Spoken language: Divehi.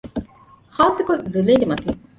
ޚާއްސަކޮށް ޒުލޭގެ މަތީން